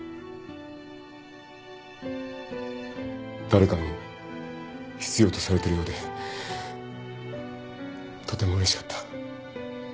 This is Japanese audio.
誰かに必要とされてるようでとてもうれしかった。